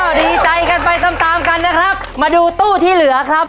ดีใจกันไปตามตามกันนะครับมาดูตู้ที่เหลือครับ